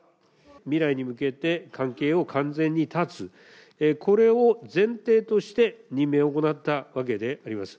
未来に向けて関係を完全に断つ、これを前提として任命を行ったわけであります。